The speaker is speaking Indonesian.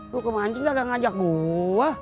lu ke mancing gak ngajak gua